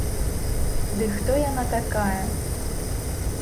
Ды хто яна такая?!